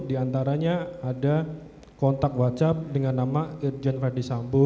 di antaranya ada kontak whatsapp dengan nama jen fadisambu